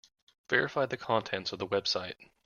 Verify the contents of the website.